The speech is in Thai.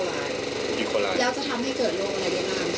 แล้วจะทำให้เกิดโรคอะไรได้บ้าง